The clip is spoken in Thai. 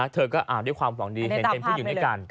เธอก็ด้วยความหวังดีเห็นเป็นผู้หญิงด้วยกัน